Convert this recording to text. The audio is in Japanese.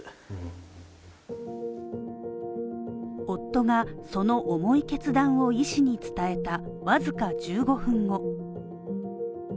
夫が、その重い決断を医師に伝えた僅か１５分後。